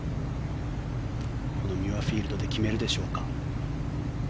このミュアフィールドで決めるでしょうか。